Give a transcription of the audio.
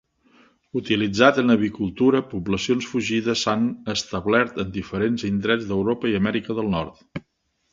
Utilitzat en avicultura, poblacions fugides s'han establert en diferents indrets d'Europa i Amèrica del Nord.